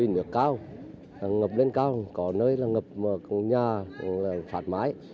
nước cao ngập lên cao có nơi là ngập nhà phát mái